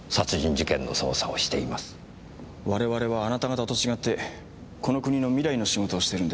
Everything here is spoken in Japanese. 我々はあなた方と違ってこの国の未来の仕事をしてるんです。